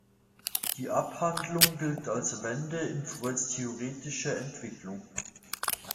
Die Abhandlung gilt als Wende in Freuds theoretischer Entwicklung.